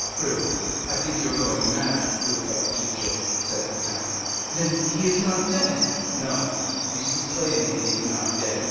"Really, I think you are going mad, good Bertuccio," said the count. "Then he is not dead?" 30213m "No; you see plainly he is not dead.